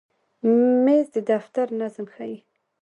مېز د دفتر نظم ښیي.